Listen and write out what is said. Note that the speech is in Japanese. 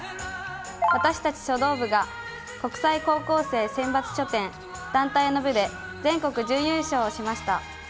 私たち書道部が国際高校生選抜書展、団体の部で全国準優勝しました。